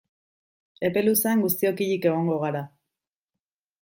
Epe luzean guztiok hilik egongo gara.